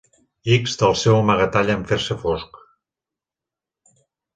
Ix del seu amagatall en fer-se fosc.